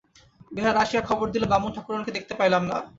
বেহারা আসিয়া খবর দিল, বামুন-ঠাকরুনকে দেখিতে পাইলাম না।